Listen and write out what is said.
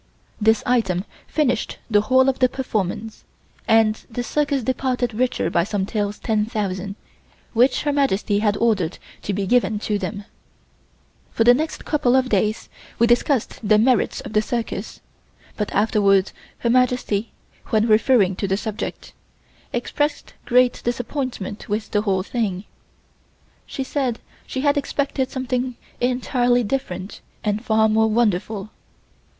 This item finished the whole of the performance and the circus departed richer by some Taels 10,000 which Her Majesty had ordered to be given to them. For the next couple of days we discussed the merits of the circus but afterwards, Her Majesty, when referring to the subject, expressed great disappointment with the whole thing. She said she had expected something entirely different and far more wonderful.